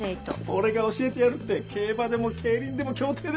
俺が教えてやるって競馬でも競輪でも競艇でも！